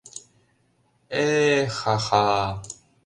Э-э-э-эха-ха...